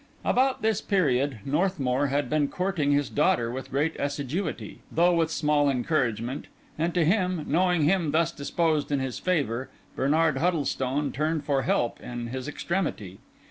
About this period, Northmour had been courting his daughter with great assiduity, though with small encouragement; and to him, knowing him thus disposed in his favour, Bernard Huddlestone turned for help in his extremity.